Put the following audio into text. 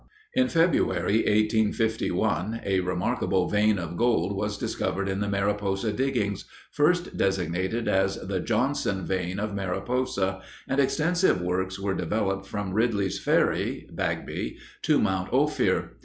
In February, 1851, a remarkable vein of gold was discovered in the Mariposa diggings, first designated as the "Johnson vein of Mariposa," and extensive works were developed from Ridley's Ferry (Bagby) to Mount Ophir.